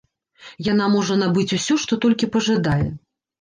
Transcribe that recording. Яна можа набыць усё, што толькі пажадае.